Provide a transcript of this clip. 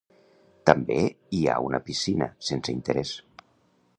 També hi ha una piscina, sense interès.